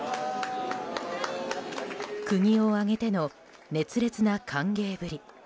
国を挙げての熱烈な歓迎ぶり。